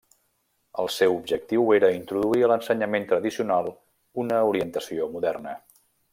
El seu objectiu era introduir a l'ensenyament tradicional una orientació moderna.